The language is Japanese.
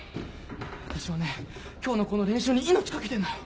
わたしはね今日のこの練習に命かけてんのよ。